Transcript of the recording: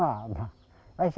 bukannya tidak berusaha